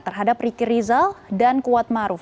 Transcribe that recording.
terhadap ricky rizal dan kuat maruf